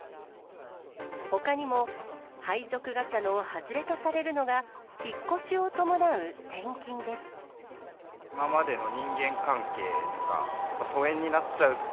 ほかにも、配属ガチャの外れとされるのが、今までの人間関係とか、疎遠になっちゃう。